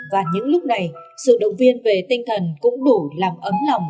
và những lúc này sự động viên về tinh thần cũng đủ làm ấm lòng